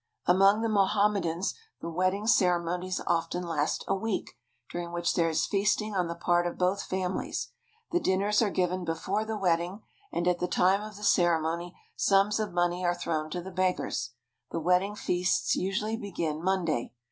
Among the Mohammedans the wedding cere monies often last a week, during which there is feasting on the part of both families. The dinners are given before the wedding, and at the time of the ceremony sums of money are thrown to the beggars. The wedding feasts usually begin Monday.